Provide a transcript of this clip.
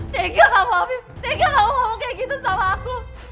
tega kamu afif tega kamu ngomong kayak gitu sama aku